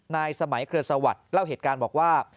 สมัยเครือสวัสดิ์เล่าเหตุการณ์บอกว่า